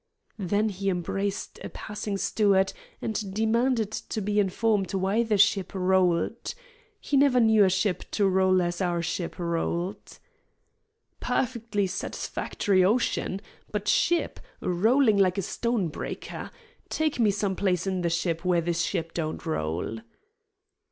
He then embraced a passing steward, and demanded to be informed why the ship rolled. He never knew a ship to roll as our ship rolled. "Perfec'ly satisfact'ry ocean, but ship rolling like a stone breaker. Take me some place in the ship where this ship don't roll."